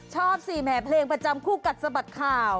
ชอบสิแหมเพลงประจำคู่กัดสะบัดข่าว